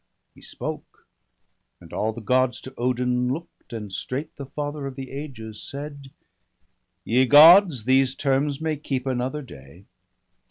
He spoke; and all the Gods to Odin look'd; And straight the Father of the ages said :— 'Ye Gods, these terms may keep another day.